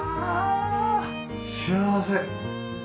幸せ。